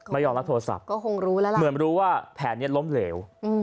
ไม่ยอมรับโทรศัพท์เหมือนรู้ว่าแผนนี้ล้มเหลว